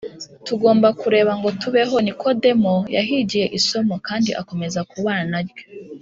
. Tugomba kureba ngo tubeho. Nikodemo yahigiye isomo, kandi akomeza kubana na ryo